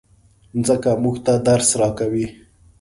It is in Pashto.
مځکه موږ ته درس راکوي.